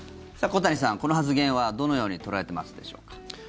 小谷さん、この発言はどのように捉えてますでしょうか。